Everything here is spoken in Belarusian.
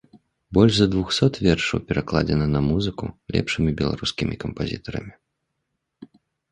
Больш за двухсот вершаў пакладзена на музыку лепшымі беларускімі кампазітарамі.